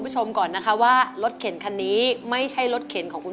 มาพบกับแก้วตานะครับนักสู้ชีวิตสู้งาน